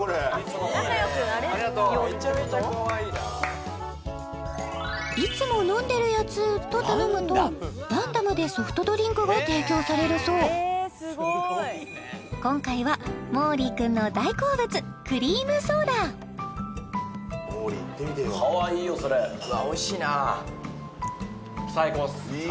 ありがとう「いつも飲んでるやつ」と頼むとランダムでソフトドリンクが提供されるそう今回はもーりーくんの大好物クリームソーダもーりーいってみてよかわいいよそれいい！